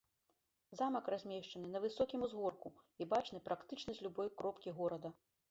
Замак размешчаны на высокім узгорку і бачны практычна з любой кропкі горада.